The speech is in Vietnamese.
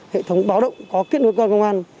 hệ thống báo động có kết nối với công an